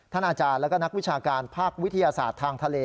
อาจารย์แล้วก็นักวิชาการภาควิทยาศาสตร์ทางทะเล